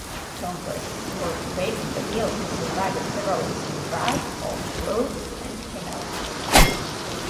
Congress was debating a bill to provide a federal survey of roads and canals.